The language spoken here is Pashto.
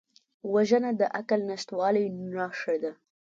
وژنه د عقل نشتوالي نښه ده